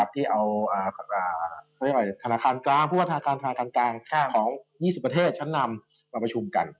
ที่เอาผู้ว่าธนาคารกลางของ๒๐ประเทศชั้นนำมาประชุมกัน